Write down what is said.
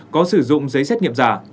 có sử dụng giấy xét nghiệm giả